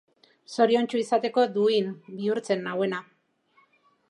Zoriontsu izateko duin bihurtzen nauena.